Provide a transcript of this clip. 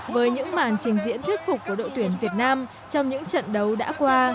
với những màn trình diễn thuyết phục của đội tuyển việt nam trong những trận đấu đã qua